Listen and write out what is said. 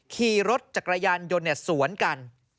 ขี่รถจักรยานยนต์สวนกัน